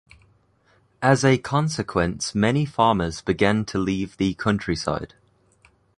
As a consequence many farmers began to leave the countryside.